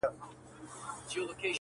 په اړه بېلابېل نظرونه لري دي،